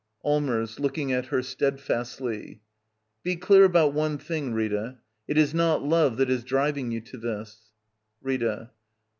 Allmers. [Looking at her steadfastly.] Be clear about one thing, Rita — it is not love that is driving you to this. Rita.